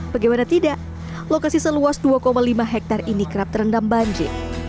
bagaimana tidak lokasi seluas dua lima hektare ini kerap terendam banjir